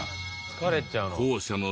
疲れちゃうの。